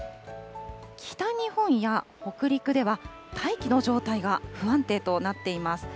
北日本や北陸では、大気の状態が不安定となっています。